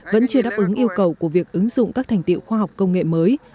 vẫn chưa đáp ứng yêu cầu của việc ứng dụng các thành tiệu khoa học công nghệ mới